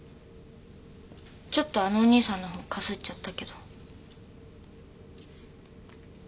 ちょっとあのお兄さんのほうかすっちゃったけど。